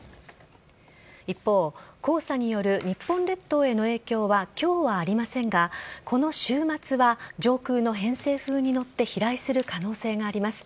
一方黄砂による日本列島への影響は今日はありませんがこの週末は上空の偏西風に乗って飛来する可能性があります。